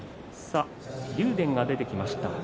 竜電が出てきました。